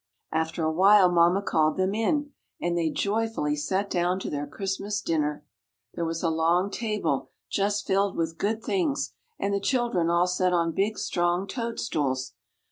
After a while mamma called them in, and they joyfully sat down to their Christmas dinner. There was a long table, just filled with good things, and the children all sat on big strong toadstools.